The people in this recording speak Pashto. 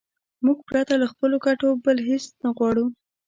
موږ پرته له خپلو ګټو بل هېڅ نه غواړو.